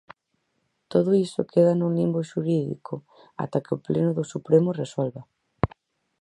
Todo iso queda nun limbo xurídico ata que o Pleno do Supremo resolva.